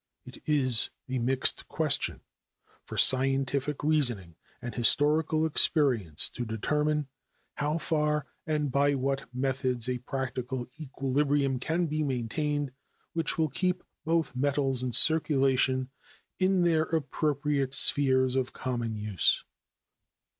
It is a mixed question, for scientific reasoning and historical experience to determine, how far and by what methods a practical equilibrium can be maintained which will keep both metals in circulation in their appropriate spheres of common use.